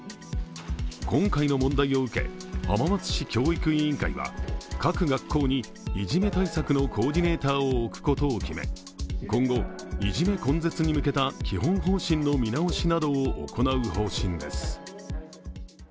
今回の問題を受け、浜松市教育委員会は、各学校にいじめ対策のコーディネーターを置くことを決め、今後、いじめ根絶に向けた基本方針の見直しなどを行う方針です。